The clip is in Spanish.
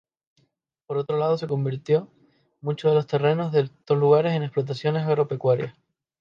Por otro lado, convirtió muchos de los terrenos de estos lugares en explotaciones agropecuarias.